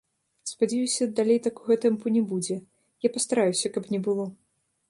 Спадзяюся, далей такога тэмпу не будзе, я пастараюся, каб не было.